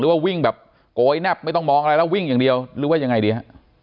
ว่าวิ่งแบบโกยแนบไม่ต้องมองอะไรแล้ววิ่งอย่างเดียวหรือว่ายังไงดีฮะ